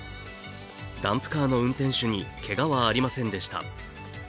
ダンプカーの運転手にけがはありませんでした。